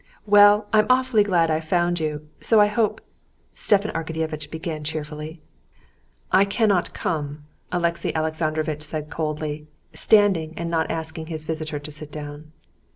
"Well, I'm awfully glad I've found you! So I hope...." Stepan Arkadyevitch began cheerfully. "I cannot come," Alexey Alexandrovitch said coldly, standing and not asking his visitor to sit down.